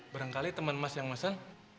barangkali temen mas yang pesen